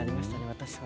私は。